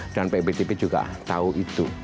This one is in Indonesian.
dan pak btp juga tahu itu